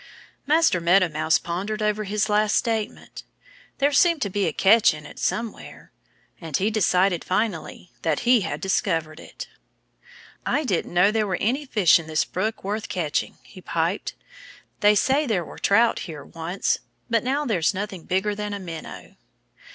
Master Meadow Mouse pondered over this last statement. There seemed to be a catch in it somewhere. And he decided, finally, that he had discovered it. "I didn't know there were any fish in this brook worth catching," he piped. "They say there were trout here once. But now there's nothing bigger than a minnow."